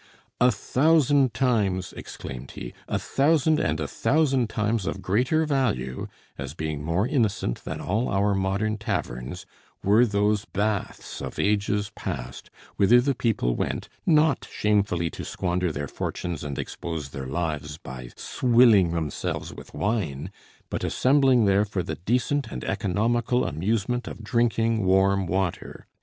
"A thousand times," exclaimed he, "a thousand and a thousand times of greater value, as being more innocent than all our modern taverns, were those baths of ages past, whither the people went, not shamefully to squander their fortunes and expose their lives by swilling themselves with wine, but assembling there for the decent and economical amusement of drinking warm water.